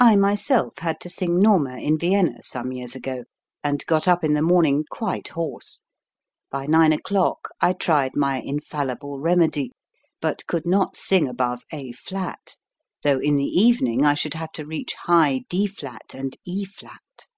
I myself had to sing Norma in Vienna some years ago, and got up in the morning quite hoarse. By nine o'clock I tried my infallible remedy, but could not sing above A flat, though in the evening I should have to reach high D flat and E flat.